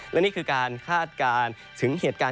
และนี่คือการคาดการณ์ถึงเหตุการณ์